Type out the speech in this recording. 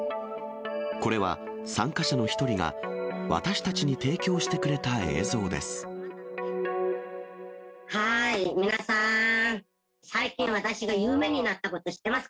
これは参加者の１人が、私たちに提供してくれた映像です。